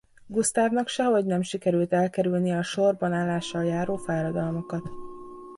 Gusztávnak sehogy nem sikerül elkerülnie a sorban állással járó fáradalmakat.